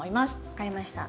分かりました。